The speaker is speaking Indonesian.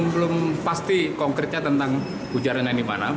belum pasti konkretnya tentang ujarannya di mana